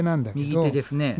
右手ですね。